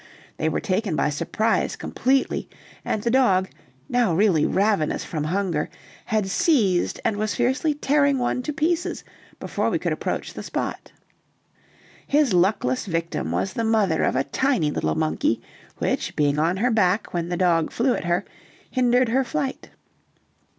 They were taken by surprise completely, and the dog, now really ravenous from hunger, had seized and was fiercely tearing one to pieces before we could approach the spot. His luckless victim was the mother of a tiny little monkey, which, being on her back when the dog flew at her, hindered her flight.